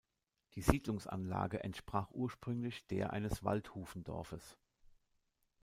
Die Siedlungsanlage entsprach ursprünglich der eines Waldhufendorfes.